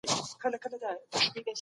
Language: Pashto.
سياست پوهنه د ټولنې په وده کي ارزښت لري.